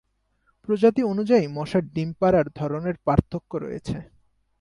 প্রজাতি অনুযায়ী মশার ডিম পাড়ার ধরনের পার্থক্য রয়েছে।